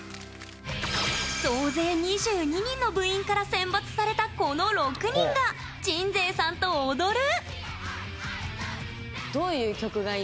総勢２２人の部員から選抜された、この６人が鎮西さんと踊る！